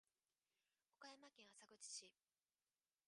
岡山県浅口市